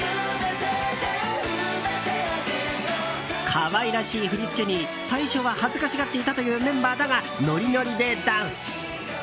可愛らしい振り付けに最初は恥ずかしがっていたというメンバーだが、ノリノリでダンス。